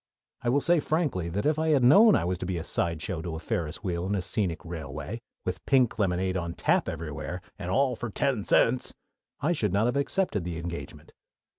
I will say frankly that if I had known that I was to be a sideshow to a Ferris Wheel and a scenic railway, with pink lemonade on tap everywhere, and "all for ten cents," I should not have accepted the engagement.